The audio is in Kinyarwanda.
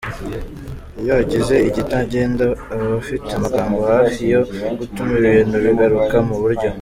Iyo hagize ikitagenda aba afite amagambo hafi yo gutuma ibintu bigaruka mu buryo.